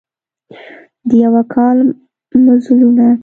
د یوه کال مزلونه